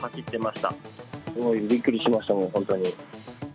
すごいびっくりしましたね、本当に。